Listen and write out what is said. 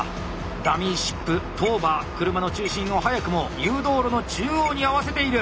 ダミーシップトーバー車の中心を早くも誘導路の中央に合わせている！